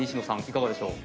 いかがでしょう？